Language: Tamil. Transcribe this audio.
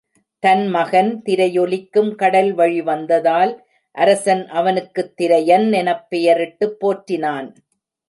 தன் மகன், திரையொலிக்கும் கடல்வழி வந்ததால், அரசன் அவனுக்குத் திரையன் எனப் பெயரிட்டுப் போற்றினான்.